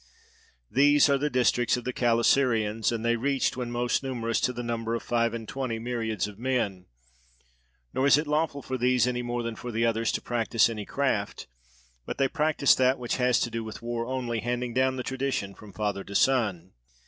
These are the districts of the Calasirians; and they reached, when most numerous, to the number of five and twenty myriads of men; nor is it lawful for these, any more than for the others, to practise any craft; but they practise that which has to do with war only, handing down the tradition from father to son.